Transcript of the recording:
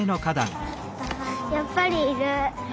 やっぱりいる。